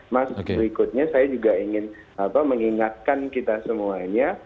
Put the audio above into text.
mas berikutnya saya juga ingin mengingatkan kita semuanya